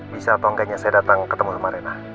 bisa atau kayaknya saya datang ketemu sama rena